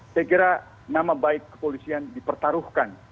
saya kira nama baik kepolisian dipertaruhkan